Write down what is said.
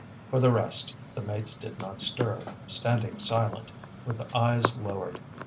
For the rest, the mates did not stir, standing silent, with eyes lowered.